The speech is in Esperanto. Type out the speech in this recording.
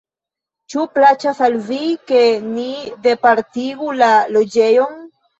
Ĉu plaĉas al vi, ke ni dupartigu la loĝejon?